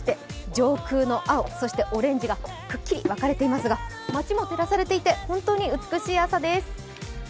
上空の青、そしてオレンジがくっきり分かれていますが街も照らされていて、本当に美しい朝です。